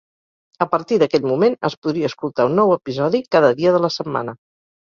A partir d'aquell moment, es podria escoltar un nou episodi cada dia de la setmana.